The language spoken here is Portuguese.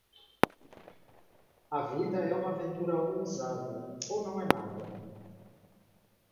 A vida é uma aventura ousada ou não é nada.